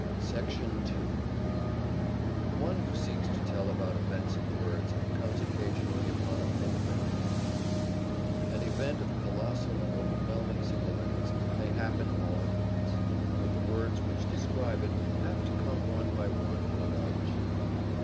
Section 2 One who seeks to tell about events in words comes occasionally upon a fundamental difficulty. An event of colossal and overwhelming significance may happen all at once, but the words which describe it have to come one by one in a long chain.